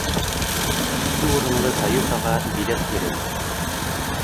Ике урынлы каютаға билет бирегеҙ